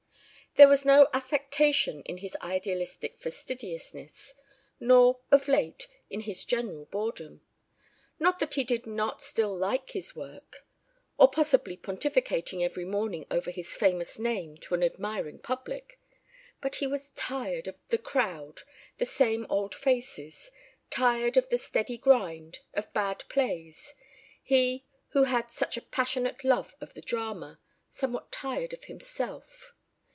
There was no affectation in his idealistic fastidiousness. Nor, of late, in his general boredom. Not that he did not still like his work, or possibly pontificating every morning over his famous name to an admiring public, but he was tired of "the crowd," the same old faces, tired of the steady grind, of bad plays he, who had such a passionate love of the drama somewhat tired of himself.